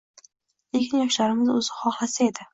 Lekin yoshlarimiz o‘zi xohlasa edi.